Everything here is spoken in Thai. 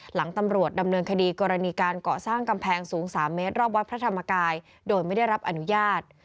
หลังตำรวจดำเนินคดีกรณีการเกาะสร้างกำแพงสูง๓เมตรรอบวัดพระธรรมกายโดยไม่ได้รับอนุญาต